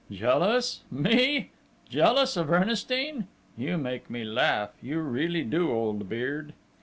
"Jealous? Me? Jealous of Ernestine? You make me laugh, you really do, old Beard!"